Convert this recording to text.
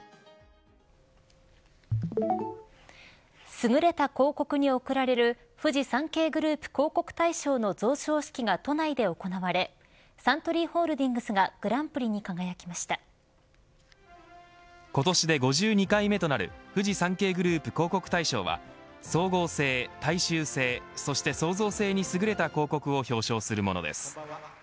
すぐれた広告に贈られるフジサンケイグループ広告大賞の贈賞式が都内で行われサントリーホールディングスが今年で５２回目となるフジサンケイグループ広告大賞は総合性、大衆性そして創造性にすぐれた広告を表彰するものです。